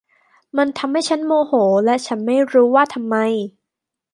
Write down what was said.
มันทำให้ฉันโมโห และฉันไม่รู้ว่าทำไม